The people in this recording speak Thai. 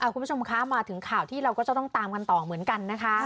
คุณผู้ชมคะมาถึงข่าวที่เราก็จะต้องตามกันต่อเหมือนกันนะคะ